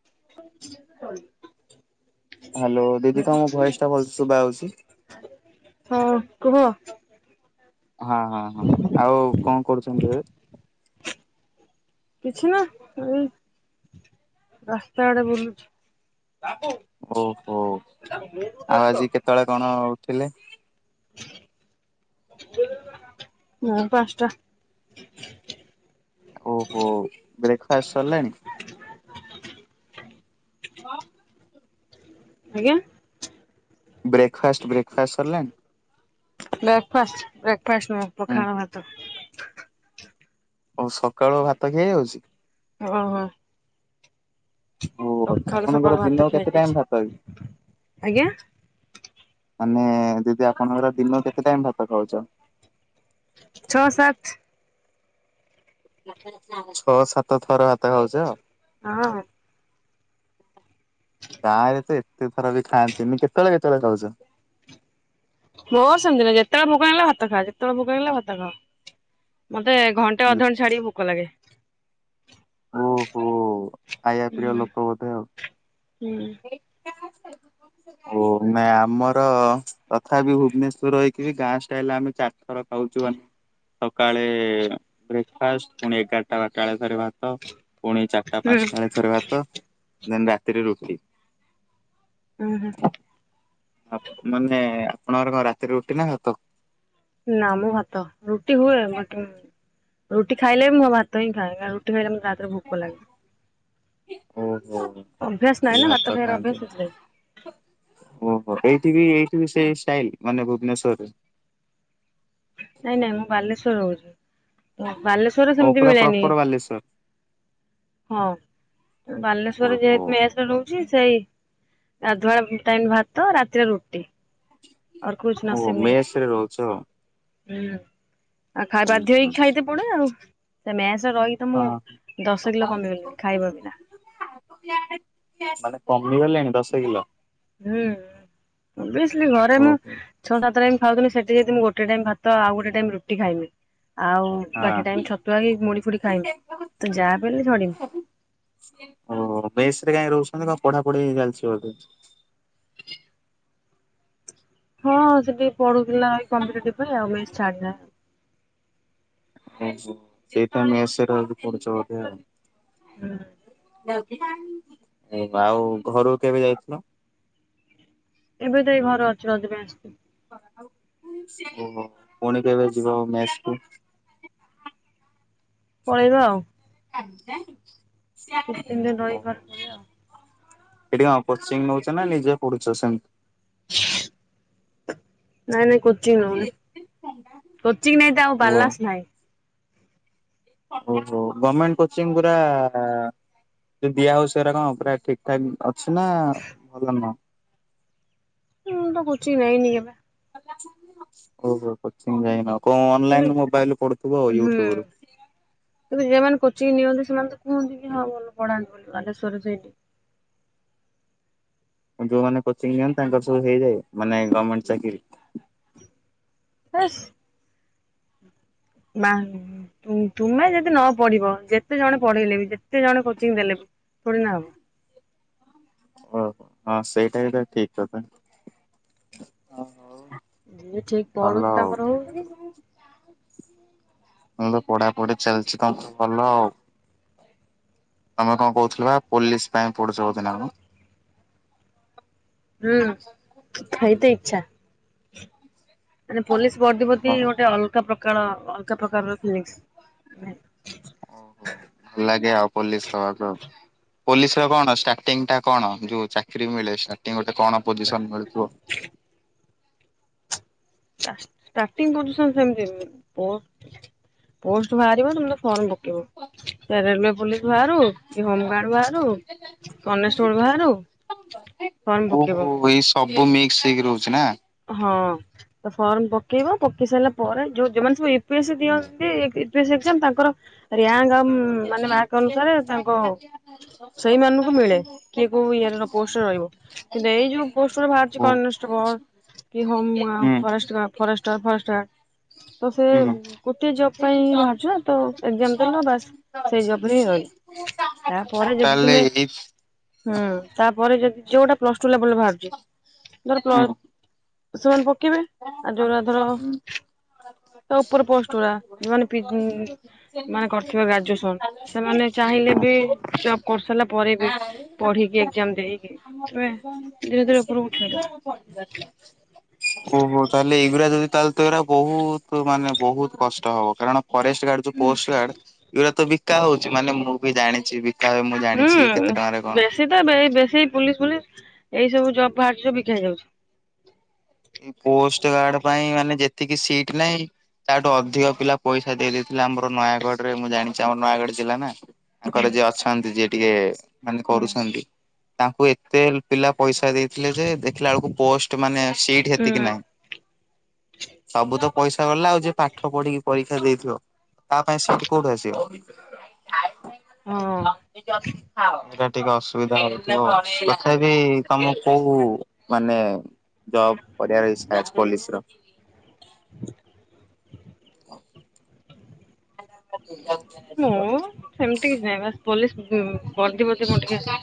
[inaudible] Hello ଦିଦି ତମ voice ଟା ଭଲସେ ଶୁଭା ହଉଛି। ହଁ କୁହ ହଁ ହଁ ହଁ ଆଉ କଣ କରୁଛନ୍ତି ଏବେ? କିଛି ନୁହଁ ଏଇ ରାସ୍ତା ଆଡେ ବୁଲୁଛି। ଓହୋ ଆଉ ଆଜି କେତେବେଳେ କଣ ଥିଲେ? ମୁଁ ପାଞ୍ଚଟା। ଓହୋ ବ୍ରେକ୍ ଫାଷ୍ଟ ସରିଲାଣି? ହଁ। ଆଜ୍ଞା? ବ୍ରେକ୍ ଫାଷ୍ଟ ବ୍ରେକ୍ ଫାଷ୍ଟ ସରିଲାଣି? ବ୍ରେକ୍ ଫାଷ୍ଟ ବ୍ରେକ ଫାଷ୍ଟ ନୁହଁ ହୁଁ ପଖାଳ ଭାତ। ଆଉ ସକାଳୁ ଭାତ ଖିଆ ହେଇଯାଉଛି? ହଁ ହଁ। ଓ ସକାଳୁ ଆପଣଙ୍କର ଭାତ ଦିନକୁ ଖିଆ କେତେ ହେଇଯାଇଛି ଟାଇମ ଭାତ କି? ଆଜ୍ଞା ମାନେ ଯଦି ଆପଣଙ୍କର ଦିନକୁ କେତେ ଟାଇମ ଭା ଭାତ ଖାଉଛ। ଛଅ ସାତ ଛଅ ସାତ ଥର ଭାତ ଖାଉଛ? ହଁ ବା। ଗାଁରେ ତ ଏ ଏତେ ଥର ବି ଖାଆନ୍ତିନି କେତେବେଳେ କେତେବେଳେ ଖାଉଛ? ମୋର ସେମିତି ନାହିଁ ଯେତେବେଳେ ଭୋକ ନାଗିଲା ଭାତ ଖାଅ। ଯେତେବେଳେ ଭୋକ ଆଣିଲେ ନାଗିଲା ଭାତ ଖାଅ। ମତେ ତେ ଘଣ୍ଟେ ଅଧଘଣ୍ଟେ ଛାଡିକି ଭୋକ କ ଲାଗେ। ଓହୋ। ଖାଇଆ ହୁଁ ପ୍ରିୟ ଲୋକ ବୋଧେ ଆଉ। ହୁଁ। ଓ ନାଇଁ ଆମର ତଥାପି ଭୁବନେଶ୍ୱର ରହିକି ବି ଗାଁ ଷ୍ଟାଇଲରେ ଆମେ ଚାରିଥର ଖାଉଛୁ ମାନେ ସକାଳେ ବ୍ରେକ୍ଫାଷ୍ଟ ପୁଣି ଏଗାରଟା ବାରଟା ବେଳେ ଫେରେ ଭାତ ପୁଣି ଚାରିଟା ହୁଁ ପାଞ୍ଚଟା ବେଳେ ଥରେ ଭାତ ଦେନ୍ ରା ତିରେ ରୁଟି। ଉଁ ହୁଁ। ଆପ୍ ମାନେ ଆପଣଙ୍କର କଣ ରାତିରେ ରୁଟି ନା ଭାତ? ନାଁ ମ ଭାତ, ରୁଟି ହୁଏ ବଟ୍ ରୁଟି ଖାଇଲେ ବି ମୁଁ ଭାତ ହିଁ ଖାଏ କାରଣ ରୁଟି ଖାଇଲେ [inaudible] [inaudible] ଭୋକ ଲାଗେ। ଓ ଓହୋଃ, ଅଭ୍ୟାସ ନାହିଁ ଖାଲି ନା ଭାତ ଖାଇବାର ଅଭ୍ୟାସ ଖାଆନ୍ତି ସେଥିଲାଗି। ଓହୋଃ ଏଇଠି ବିଇ-ଇ-ଇ [inaudible] ସେଇ ଷ୍ଟାଇଲ ମାନେ ଭୁବନେଶ୍ୱରରେ? ନାଇଁ ନାଇଁ ମୁଁ ବାଲେଶ୍ଵର ରହୁଛି। ତ ବାଲେଶ୍ଵରରେ ଓ ସେମିତି ପୁରା ମିଳେନି, ପ୍ରପର ବାଲେଶ୍ଵର ହଁ ବାଲେଶ୍ଵରରେ ଓହୋ ଯେହେତୁ ମେସରେ ରହୁଛି ସେଇ ରାଧୁଆ ଟାଇମ୍ ଭାତ ରାତିରେ ରୁଟି। ଅର୍ କୁଛ ଓ ନସିବ ନେଇ ହୋତା। ମେସରେ ରହୁଛ? ହୁଁ। ଆଉ ଖାଇ ହୁଁ ବାଧ୍ୟ ହୁଁ ହେଇକି ଖାଇତେ ପଡେ ଆଉ। ସେ ମେସ୍ ରହିି ତ ମୁଁ ହଁ ଦଶ କିଲୋ କମିଗଲିଣିି ଖାଇବା ବିନା। ମାନେ କମିଗଲେଣି? ଦଶ କିଲୋ। ବେଶ୍। ଘରେ ମୁଁ ଓହୋ ଛଅଟାତରେଇ ଖାଉଥିଲି ସେଠ [inaudible] ମୁଁ ଗୋଟେ ଟାଇମ ଭାତ ଆଉ ଗୋଟେ ଟାଇମ୍ ରୁଟି ଖାଇମି। ଆଉ ହଁ। ବାକି ଟାଇମ୍ ଛତୁଆ କି ମୁଡିଫୁଡି ଖାଇମି ତ ଯାହା ବି ହେଲେ ଝଡିମି। ପଢ଼ାପଢି ଚାାଲିଛି ବୋଧେ? ହଁଅ-ଅ-ଅ ସେଠି ପଢୁ। ପିଲା ଏଇ କମ୍ପିଟେଟିଭ୍ ପାଇଁ ଆଉ‌ ମେସ୍ ଛାଡ଼ିଲା ଆଉ ହୋ ହୋ ସେଇଥିପାଇଁ ମେସରେ ରହିକି ପଢୁଛ ବୋଧେ ଆଉ। ହୁଁ। ଏ ଆଉ ଘରୁକୁ କେବେ ଯାଇଥିଲ? ଏବେ ତ ଏଇ ଘରେ ଅଛି ରଜ ପାଇଁ ଆସିଛି। ଓହୋଃ ପୁଣି କେବେ ଯିବ ମେସକୁ? ପଳେଇବା ଆଉ। ଆଜ୍ଞା [unintelligible] କିଛି ଦିନ ରହି ଘରେ ପଳେଇବା ଆଉ ସେଠି କଣ କୋଚିଙ୍ଗ୍ ନେଉଛ ନା ନିଜେ ପଢୁଛ ସେମ୍? ନାଇଁ ନାଇଁ କୋଚିଂ ନଉନି, କୋଚିଂ ନେଇତେ ଆଉ ବାଲାନ୍ସସ ନାହିଁ। ଓହୋଃ ଗମେଣ୍ଟ୍ କୋଚିଙ୍ଗ୍ ପୁରାଆ-ଆ-ଆ ଦିଆ ହଉଚି଼ ସେରା କଣ ପୁରା ଠିକଠାକ୍ ଅଛି ନା ଭଲ ନୁହଁ? ମୁଁ ତ କୋଚିଂ ନେଇନି କେବେ। ଓ ହୋ କଚିଂ ଯାଇନ? କଣ କିନ୍ତୁ ଅନଲାଇନ୍ ମୋବାଇଲ୍ ରୁ ପଡୁଥିବ ହୁଁ। ୟୁଟୁବ୍ ରୁ। ଚିଂ ନିଅନ୍ତି ସେମାନେ ତ କୁହନ୍ତି କି ହଁ ଭଲ ପଢାନ୍ତି ବୋଲି ବାଲେଶ୍ଵରରେ ସେଇଠି। ଯୋଉମାନେ କୋଚିଂ ନିଅନ୍ତି ତାଙ୍କର ସବୁ ହେଇଯାଏ ମାନେ ଗମେଣ୍ଟ୍ ଚାକିରି। ହେସ୍। ମା ତୁମେ ଯଦି ନ ପଢିବ ଯେତେ ଜଣ ପଢେଇଲେ ବି ଯେତେ ଜଣେ କୋଚିଂ ଦେଲେ ବି ଥୋଡିନା ହବ। ଓ ହୋ ହଁ ସେଇଟା ବି ତ ଠିକ୍ କଥା। ଯିଏ ଠିକ୍ ପଢୁଛି ତାଙ୍କର ହଉନି ମୁଁ ତ ପଢାପଢି ଚାଲିଛି ତମର ଭଲ ଆଉ। ତମେ କଣ କହୁଥିଲବା ପୋଲିସ୍ ପାଇଁ ପଡୁଛ ବୋଧେ ନା କଣ? ହୁଁ ସେଇତ ଇଚ୍ଛା। [unintelligible] ମାନେ ପୋଲିସ୍ ବର୍ଦ୍ଧି ପ୍ରତି ହଁ ଗୋଟେ ଅଲଗ ପ୍ର କଣ ଅଲଗା ପ୍ରକାରର ଫିଲିଂସ୍ ନୁହେଁ। ଓ ହୋ ଭଲ ଲାଗେ ଆଉ ପୋଲିସ୍ ହବାକୁ ଆଉ ପୋଲିସ୍ ର କଣ ଷ୍ଟାର୍ଟିଂ ଟା କଣ ଯୋଉ ଚାକିରି ମିଳେ ଷ୍ଟାଟିଂରୁ। କଣ ପୋଜିସନ୍ ମିଳୁଥିବ ଷ୍ଟାଟିଙ୍ଗ୍ ପୋଜିସନ୍ ସେମିତି କେମିତି ପୋଷ୍ଟ ପୋଷ୍ଟ ବାହାରିବ ତମେ ତ ଫର୍ମ ପ ରେଲୱେ ପୋଲିସ୍ ବାହାରୁ କି ହୋମଗାର୍ଡ ବାହାରୁ କନଷ୍ଟେବଳ ବାହାରୁ ଫର୍ମ ପକେଇବ। ଓହୋ ଏଇ ସବୁ ମିକ୍ସ୍ ହେଇକି ରହୁଛି ନା। ହଁ ଫର୍ମ ପକେଇବ ପକେଇ ସାରିଲା ପରେ ଯଉ ଯଉମାନେ ସବୁ ୟୁ ପି ଏସି ଦିଅନ୍ତି ୟୁ ପି ଏସି ଏକ୍ଜାମ୍ ତାଙ୍କର ରଙ୍କ୍ ଆଉ ହୁଁ ଓହୋ ମାନେ ମାର୍କ ଅନୁସାରେ ତାଙ୍କ ସେଇମାନଙ୍କୁ ମିଳେ କିଏ କୋଉ ଇଏ ପୋଷ୍ଟରେ ରହିବ କିନ୍ତୁ ଏଇ ଯୋଉ ପୋଷ୍ଟରେ ବାହାରିଛି ହୁଁ କନଷ୍ଟେବଳ କି ହଁ ମୁଁ ଆଉ ପରେଷ୍ଟର୍ ଫରେଷ୍ଟର୍ ଫରେଷ୍ଟର୍ ତ ସେ ହୁଁ। ଗୋଟେ ଜବ୍ ପାଇଁ ବାହାରୁଛି ନାମ ଏକ୍ଜାମ୍ ଦେଲ ବାସ୍ ସେଇ ଜବ୍ ରେ ହିଁ ରହିଲେ ତାପରେ ଯଦି ତାହେଲେ ତୁମେ ଏଇ ହୁଁ ତାପରେ ଯ ଯୋଉଟା ପ୍ଲସ୍ ଟୁ ସରିଲା ପରେ ବାହାରୁଛି ଧର ପ୍ଲ ହୁଁ। ସେମାନେ ପ ପକେଇବେ ଆଉ ଯୋଉଗୁରା ଧର ତା ଉପର ପୋଷ୍ଟ୍ ଗୁରା ମାନେ ପି ମାନେ କରିଥିବ ଗ୍ରାଜୁଏସନ୍ ସେମାନେ ଚାହିଁଲେ ବି ଜବ୍ କରିସାରିଲା ପରେ ବି ପଢିକି ଏକ୍ଜାମ୍ ଦେଇକି ମାନେ ଧୀରେ ଧୀରେ ଉପରକୁ ଉଠି ପାରିବ। ଓହୋ ତାହେଲେ ଏଇଗୁରା ଯଦି ତାହେଲେ ତ ଏଗୁରା ବହୁତ ମାନେ ବହୁତ କଷ୍ଟ ହବ କାରଣ ଫରେଷ୍ଟ୍ ଗାର୍ଡ ଯୋଉ ପୋଷ୍ଟ୍ ଗାର୍ଡ ଏଗୁଡା ତ ବି ଏକା ହଉଛି ମାନେ ମୁଁ ବି ଜାଣିଛ ବି ହୁଁ ବେଶୀ ତ ଏଇ ବେଶୀ ପୁଲିସ୍ ଫୁଲିସ୍ ଏଇ ସବୁ ଜବ୍ ବାହାରୁଛି ଯୋଉ ସୁବିଧା ହେଇ ଯାଉଛି। ଏଇ ପୋଷ୍ଟ୍ ଗାର୍ଡ ପାଇଁ ମାନେ ଯେତିକି ସିଟ୍ ନାହିଁ ତାଠୁ ଅଧିକ ପିଲା ପଇସା ଦେଇ ଦେଇଥିଲେ ଆମର ନୟାଗଡରେ ମୁଁ ଜାଣିଛି ଆମର ନୟାଗଡ ଜିଲ୍ଲା ନା। ହୁଁ ତାଙ୍କର ଯିଏ ଅଛନ୍ତି ଯିଏ ଟିକେ ମାନେ କରୁଛନ୍ତି? ତାଙ୍କୁ ଏତେ ପିଲା ପଇସା ଦେଇଥିଲେ, ଯେ ଦେଖିଲା ବେଳକୁ ପୋଷ୍ଟ ମାନେ ହୁଁ ହେତିକି ନାହିଁ, ହୁଁ ସବୁ ତ ପଇସା ଗଲା, ଆଉ ଯେ ପାଠ ପଢ଼ିକି ପରୀକ୍ଷା ଦେଇଥିବ, ତା ପାଇଁ ସିଟି କୋଉଠୁ ଆସିବ? [inaudible] ହଁ। ଜଲଦି, ଜଲଦି ଖାଅ। ଟିକେ ଅସୁବିଧା ହଉଥିବ, ତଥା ବିି, ତମ କୋଉ ମାନେ ଜବ କରିବାର ଇଛା ଅଛି ପୋଲିସର ଅ [unintelligible] ମୁଁ ସେମିତି କିଛି ନାଇଁବା। ପୋଲିସୀ ହୁଁ, ବର୍ଦି ପ୍ରତି, ମୁଁ ଟିକେ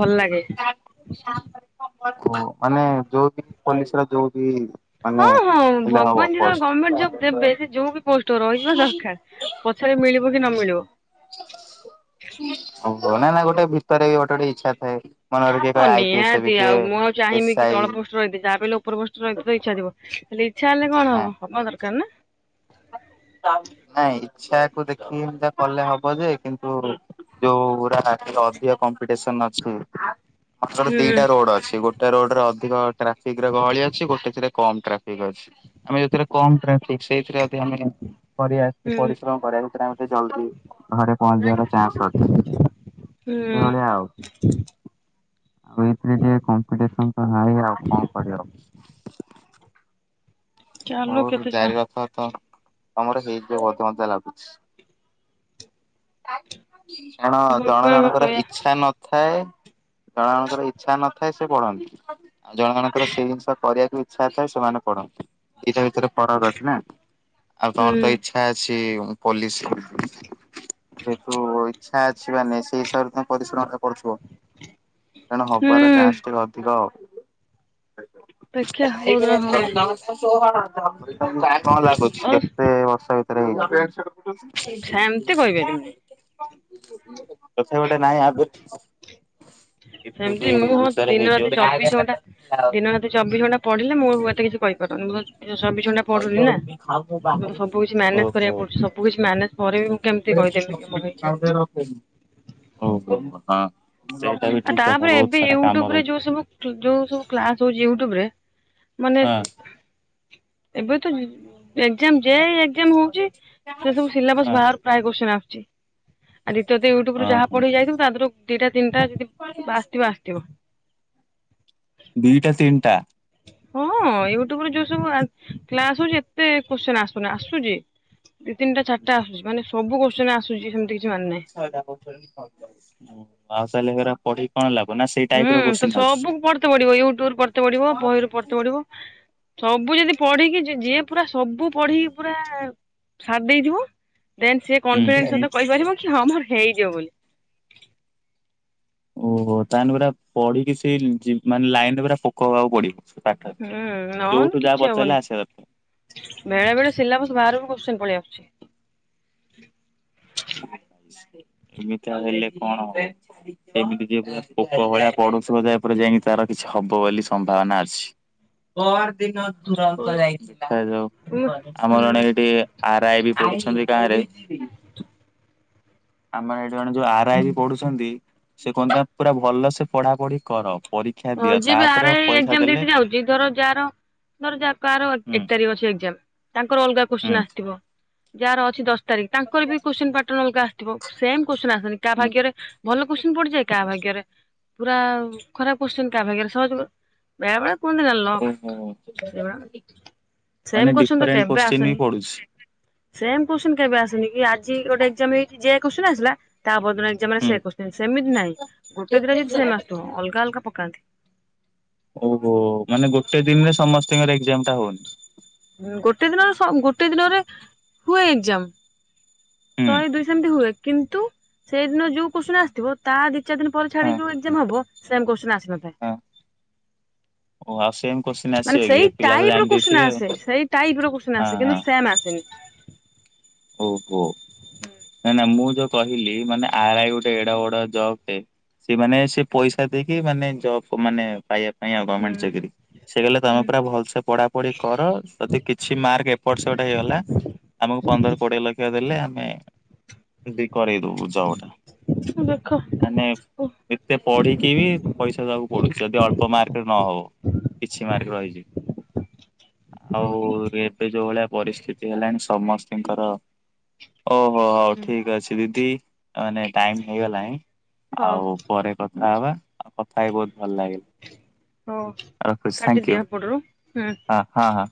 ଭଲ ଲାଗେ। ଓ, ମାନେ, ଯୋଉ ବି ପୋଲିସ ର ଯୋଉ ବି ମାନେ ହଁ, ହଁ, ହେଲେ ହବ ଭଗବାନ ଯେତେବେଳେ ପୋଷ୍ଟ ଗଭର୍ଣମେଣ୍ଟ ଜବ ଦେବେ, ସେ ଯୋଉ ବି ପୋଷ୍ଟ ରହିଯିବା ଦରକାର, ପଛରେ ମିଳିବ କି ନ ମିଳିବ? ହଵ, ନା ନା, ଗୋଟେ ଭିତରେ ବି, ଗୋଟେ ଗୋଟେ ଇଚ୍ଛା ଥାଏ ମନରେ କିଏ ହଁ କହେ ଆଇ ପି ଏସ୍ ହେବି ନିହାତି କିଏ ଆଉ ମୁଁ ଆଉ ଏସ୍ ଚାହିଁବି କି ଆଇ ତଳପୋଷ୍ଟ ରହିବି। [unintelligible] ଉପର ପୋଷ୍ଟରେ ରହିଥିବେ, ଇଚ୍ଛା ଥିବ, ହେଲେ ଇଛା ହେଲେ କଣ ହଁ ହବ, ହବା ଦରକାର ନା? [unintelligible] ନାଇଁ ଇଛା ଦେଖିକି ହେଟା କଲେ ହବ ଯେ, କିନ୍ତୁ ଯୋଉଗୁରା ନାକି ଅଧିକ କମ୍ପିଟେସନ ଅଛି [unintelligible] ହୁଁ ଦିଟା ରୋଡ ଅଛି, ଗୋଟେ ରୋଡରେ ଘ, ଟ୍ରାଫିକ ରେ ଗହଳି ଅଛି, ଗୋଟେ ଥିରେ ରେ କମ ଟ୍ରାଫିକ ଅଛି, ତମେ ଯଉଥିରେ କମ ଟ୍ରାଫିକି ସେଇଥିରେ ଯଦି ଆମେ କରିବା ହୁଁ। ପରିଶ୍ରମ କରିବାକୁ ଏ ଜଲଦି ଘରେ ପହଞ୍ଚିବାର ଚାନ୍ସ ଅଛି, ହୁଁ ସେଭଳିଆ ଆଉ। ଆଉ, ଏଇଥିରେ ଟିକେ କମ୍ପିଟିସନ ତ ହାଇ, ଆଉ କଣ କରିହବ? ଚାଲୁ ହଉ କେତେ ଯା ଜାରି ରଖ ତ ତମର ହେଇଯିବ ବୋଧେ ମୋତେ ଲାଗୁଛି? କାରଣ ଜଣ ଜଣ ଭଗବାନଙ୍କ ଙ୍କର ଦୟା ଇଚ୍ଛା ନଥା ଥାଏ ଜଣ ଜଣ ଙ୍କର ଇଚ୍ଛା ନଥାଏ ସେ ପଢନ୍ତି। ଆଉ ଜଣ ଜଣ ଙ୍କର ସେଇ ଜିନିଷ କରିବାକୁ ଇଚ୍ଛା ଥାଏ ସେମାନେ ପଢନ୍ତି ଏଇଟା ଭିତରେ ପଡକ ଅଛି ନା ଆଉ ହୁଁ ତମର ତ ଇଚ୍ଛା ଅଛି। ଚି ପୋଲିସ ସେଠୁ ଇଚ୍ଛା ଅଛି ମାନେ ସେଇ ହିସାବରେ ତମେ ପରିଶ୍ରମ ତ ପଡୁଥିବା। ତେଣୁ ହବାର ଚାନ୍ସ ଟିକେ ଅଧିକ ଆଉ ପେକ୍ଷା କୋଉଦିନ ଦିନ ହଉଛି। [unintelligible] କଣ ଲାଗୁଛି ଓ କେତେ ବର୍ଷା [unintelligible] ସେମିତି କହିପାରିବିନି। [unintelligible] [inaudible] ତଥା ଗୋଟେ ନାହିଁ ଆ ସେମତି ମୁଁ ହଁ ଦିନ ହେଇଯିବ ରାତି ଚବିଶ ଘଣ୍ଟା ଦିନ ରାତି ଚବିଶ ଘଣ୍ଟା ପଢିଲେ ମୁଁ ଏତେ କିଛି କହିି [unintelligible] ଚବିଶଣ୍ଟା ପଡୁନି ନା ତମ ସବୁ କି ମ୍ୟାନେଜ ଓହୋ କରିବାକୁ ପଡୁଛି ସବୁ କିଛି ମ୍ୟାନେଜ ପରେ ବି ମୁଁ କେମତି କହିଦେବି ଆମ ହେଇ ଓହୋ ହଁ। ସେଇଟା ବି ଆଉ ଠିକ କଥା ତାପରେ ବହୁତ ଏବେ ସାରା କାମ ୟୁଟ୍ୟୁବ ରେ ରହୁଛି ଯୋଉ ସବୁ ଯୋଉ ସବୁ କ୍ଲାସ ହଉଛି ୟୁଟ୍ୟୁବରେ ମାନେ ହଁ ଏବେ ତ ଉଁ ଏକ୍ଜାମ ଯେ ଏକ୍ଜାମ ହଉଛି ସେ ସବୁ ସିଲାବସ ହଁ ବାହାରୁ ପ୍ରାୟେ କ୍ୱଶ୍ଚିନ ଆ ଜି ଆଉ ଦ୍ୱିତୀୟତଃ ୟୁଟ୍ୟୁବ ରୁ ହଁ ଯାହା ହଁ ପଢେଇ ଯାଇଥିବ ତା ଦେହରୁ ଦିଟା ତିନିଟା ଯଦି ଆସିଥିବ ଆସିଥିବ। ଦିଟା ତିନିଟା ହଁ ୟୁଟ୍ୟୁବରେ ଯୋଉ ସବୁ କ୍ଲାସ ହଉଛି ଏତେ କ୍ୱାଶ୍ଚିନ ଆସୁନି ଆସୁଛି। ଦି ତିନଟା ଚାରଟା ଆସୁଚି ମାନେ ସବୁ କ୍ୱାଶ୍ଚିନ ଆସୁଛି ସେମତି [inaudible] ପାଉସଲି ପରା ପଢି କଣ ଲା ହୁଁ ତ ସବୁକୁ ପଢତେ ପଡିବ ୟୁଟ୍ୟୁବୁ ପଢତେ ପଢିବ ବହିରୁ ପଢତେ ପଢଡିବ ସବୁ ଯଦି ପଢିକି ଯିଏ ପୁରା ସବୁ ପଢିକି ପୁରା ସାଦେ ଦେଇଥିବ ଦେନ୍ ସିଏ କନଫିଡେନ୍ସ ହୁଁ। ସତ କହିପାରିବ କିଁ ମର ହେଇଯିବ ବୋଲି। ଓହୋ ତାହେଲେ ପୁରା ପଢିକି ସେଇ ମାନେ ଲାଇନରେ ପୁରା ପୋକ ହବାକୁ ପଡିବ। ସେ ପାଠରେ। ହୁଁ ନହନି ଯୋଉଠୁ ଯାହା କିଛି ପଚାରିଲେ ହବନି ଆସିବା ଦରକାର। ବେଳେ ବେଳେ ସିଲାବସ୍ ବାହାରକୁ କୋଶ୍ଚନ ପଳେଇବା। [unintelligible] ଏମିତି ହେଲେ କଣ ଏମିତି ଯ ପ ପୋକ ଭଳିଆ ପଡୁନ। ଜା ଉପ ପରେ ଯାଇକି ତାର କିଛିବ ବୋଲି। ସମ୍ଭାବନା ଅଛି ତ। ଆମର ଜଣେ ହୁଁ। ଏଠି ଆର ଆଇ ବି ପଢୁଛନ୍ତି। ତାରିକ୍। ଆମର ଏଇଠି ଜଣେ ଯୋଉ ଆର ଆଇ ପଢୁଛନ୍ତି ସେ କୁହଛନ୍ତି ପୁରା ଭଲ ସେ ପଢା ପଢି କର। ପରୀକ୍ଷା ହଁ ଦିଅ ଯଏ ବି ତାପରେ ଆର ଆଇ ପଇସା ଏକ୍ସଜାମ୍ ଦେଲେ ଦେଇକି ଆଉଛି ଧର ଯାର ଧର ଯା କାର ହୁଁ ଏକ ତାରିଖ ଅଛି। ଏ ତାଙ୍କର ଅଲଗା ହୁଁ କୋଶ୍ଚନ ଆସିଥିବ। ଯାହାର ଅଛି ଦଶ। ତାରଖ ତାଙ୍କର ବି କୋଶ୍ଚିନ୍ ପାଟନ ଅଲଗା। ଥିବ ସେମ୍। କୋଶନ ଆସନି କାହା ହୁଁ। ଭାଗ୍ୟରେ ଭଲ କୋଶ୍ଚନ ପଡିଯାଏ କାହା ଭାଗ୍ୟରେ। ପୁରା ଖରାପ। କୋଷଚେନ୍ କାହା ଭାଗ୍ୟରେ ସହଜ ବେଳେ। କୁହନ୍ତି ଲକ୍ ଓହୋ ସେଭଳିଆ ମାନେ ସେମେ କୋଶ୍ଚିନ୍ ତ ଡିଫରେଣ୍ଟ କେବେ କୋଶ୍ଚିନ୍ ବି ଆସେନି ପଡୁଛି। ସେମେ କୋସ। ମୁଁ କେବେ ଆସନି। ଆଜି ଗୋଟେ ଯେମିତି ଯେ କୁ। [unintelligible] ଆସିଲା ତାପ। ଯୌଡା ଏକ୍ସଜାମ ରେ ହୁଁ। ସେ କୋଶ୍ଚିନ୍ ସେମତି ନାଇଁ ଗୋଟେ ଦିଟା ଯଦି ସେମେ ଆସଥିବ ଅଲଗା ଅଲଗ ପକ୍। କାନ୍ତି ଓହୋ ମାନେ ଗୋଟେ ଦିନରେ ସମସ୍ତିଙ୍କର ଏକ୍ଜାମ ଟା ହୋଉନି? [inaudible] ଗୋଟେ ଦିନର ସ ଗୋଟେ ଦିନରେ ପୁଣି ଏକ୍ଜାମ। ହୁଁ। ଶହେ ଦୁଇସ ସେମିତି ହୁଏ କିନ୍ତୁ, ସେଇଦିନ ଯୋଉ କୋସଚୀନ୍ନ ଆସିଥିବ ତା ଦି ଚାରି ଦିନ ପରେ ହଁ ଛାଡିକ ଯୋଉ ଏଗଜାମ ହବ ସେମ କୋସଚୀନ୍ନ ଆସ ହଁ। ଓ ଆଉ ସେମ୍ କୋଶ୍ଚିନ୍ ଆସିବ କି ସେଇ ପିଲା ତ ଟାଇପ ର ଜାଣି କୋଶ୍ଚେନ ଦେଇଥିବେ ଆଉ ଆସେ, ସେଇ ଟାଇପ ର କୋଶ୍ଚେନ ଆସେ କିନ୍ତୁ ହଁ ସେମ ଆସେନି। ଓହୋ ନାନା ମୁଁ ଯୋଉ କହିଲି ମାନେ ଆର ଆଇ ଗୋଟେ ଏଡା ବଡ ଜବ ଟେ ସେ ମାନେ ସେ ପଇସା ଦେଇକି ମାନେ ଜବ୍ ମାନେ ପାଇବା। କାହିଁକିନା ଗମେଣ୍ଟ ଚାକିରି। ସେ କଇଲେ ତମେ ପୁରା ଭଲସେ ପଢାପଢି କର ଯଦି କିଛି ମାର୍କ ଏପଟ ସେପଟ ହେଇଗଲା ଆମକୁ ପନ୍ଦର। କୋଡ଼ିଏ ଲଖ୍ୟା ଦେଲେ ଆମେ। ଏଦି କରେଇ ଦବୁ ଜବ ଟା ହୁଁ ଦେଖ ମାନେ ଓ ଏତେ ପଢିକି ବି ପଇସା ଦବାକୁ ପଡୁଛି ଯଦି ଅଳ୍ପ ମାର୍କରେ ନହବ କିଛି ମାର୍କ ରହିଛି ହଉ ଆଉ ଏବେ ଯୋଉ ଭଳିଆ ପରିସ୍ଥିତି ହେଲାଣି ସମସ୍ତିଙ୍କ। ଓହୋ ହଉ ଠିକ୍ ଅଛି ଦିଦି। ମାନେ ଟାଇମ ହେଇଗଲାଇଁ। ହଉ ଆଉ ପରେ କଥା ବା ବା। କଥା ହେଇ ବହୁତ ଭଲ ହଉ ଲାଗିଲ ରଖୁଛି କାଟିଦିଅ ଥାଙ୍କୟୁ ଏପଟରୁ ହୁଁ। ହଁ ହଁ ହଁ।